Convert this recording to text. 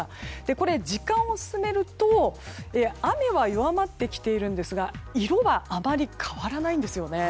これ、時間を進めると雨は弱まってきていますが色があまり変わらないんですね。